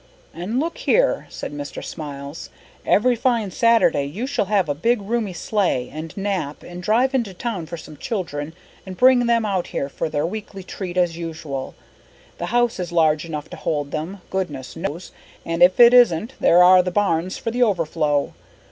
"And look here," said Mr. Smiles. "Every fine Saturday you shall have a big, roomy sleigh and Nap, and drive into town for some children and bring them out here for their weekly treat as usual. The house is large enough to hold them, goodness knows, and if it isn't there are the barns for the overflow.